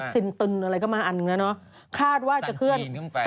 สินตึนอะไรก็มาอันนี้นะคาดว่าจะขึ้น